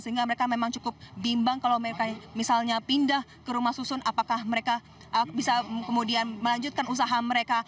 sehingga mereka memang cukup bimbang kalau mereka misalnya pindah ke rumah susun apakah mereka bisa kemudian melanjutkan usaha mereka